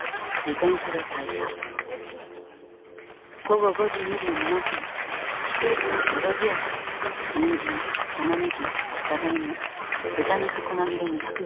午後５時２７分スーパーヨロズヤでにんじんたまねぎじゃがいも豚肉細切れ２００ｇ